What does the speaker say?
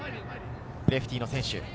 レフティーの選手。